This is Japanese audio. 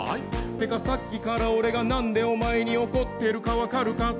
てかさっきからなんで俺がお前に怒っているか分かるか？